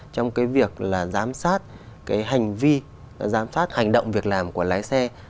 trong cái việc là giám sát cái hành vi giám sát hành động việc làm của lái xe